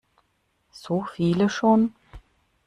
So viele schon?